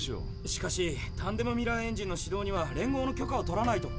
しかしタンデム・ミラーエンジンの始動には連合の許可を取らないと。